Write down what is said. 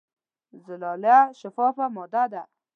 زلالیه شفافه ماده ده.